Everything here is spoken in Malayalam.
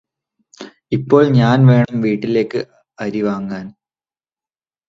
ഇപ്പോൾ ഞാന് വേണം വീട്ടിലേക്ക് അരിവാങ്ങാൻ